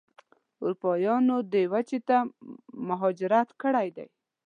اروپایانو دې وچې ته مهاجرت کړی دی.